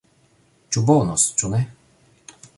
Ĉu bonos, ĉu ne.